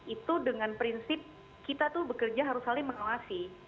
itu dengan prinsip kita tuh bekerja harus saling mengawasi